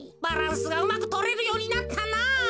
バランスがうまくとれるようになったなぁ。